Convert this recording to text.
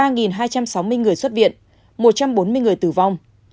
ba hai trăm sáu mươi người xuất viện một trăm bốn mươi người tử vong